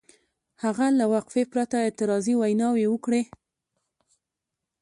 هغه له وقفې پرته اعتراضي ویناوې وکړې.